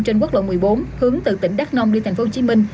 trên quốc lộ một mươi bốn hướng từ tỉnh đắk nông đi tp hcm